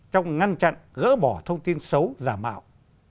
trong ngăn chặn gỡ bỏ thông tin xấu giả mạo